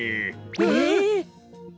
えっ！？